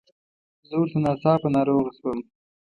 زه ورته ناڅاپه ناروغه شوم.